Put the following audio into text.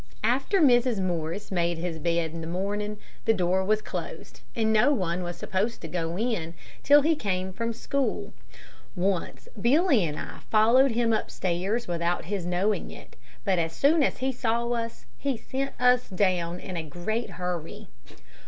After Mrs. Morris made his bed in the morning, the door was closed, and no one was supposed to go in till he came from school. Once Billy and I followed him upstairs without his knowing it, but as soon as he saw us he sent us down in a great hurry.